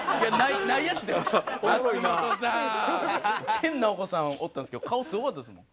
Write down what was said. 研ナオコさんおったんですけど顔すごかったですもん。